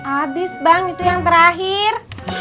abis bang itu yang terakhir